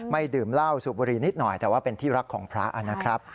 ดื่มเหล้าสูบบุรีนิดหน่อยแต่ว่าเป็นที่รักของพระนะครับ